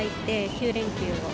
９連休の。